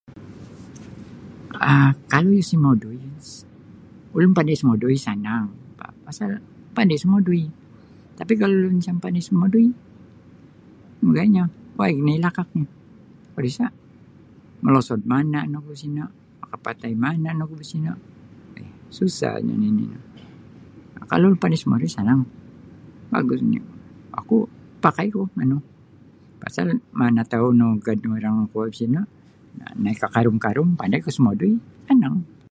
um kanyu sumodoi um ulun mapandai sumodoi sanang ba pasal mapandai sumodoi tapi kalau ulun isa mapandai sumodoi nu gayanyo waig no ilakaknyo kuro isa' molosod mana' nogu bosino' makapatai mana' nogu bosino' susah nini' no. Kalau mapandai sumodoi sanang bagusnyo oku mapakaiku manu pasal mana tau nugad da barang kuo bosino' nai' kakarum-karum mapandai ko sumodoi sanang.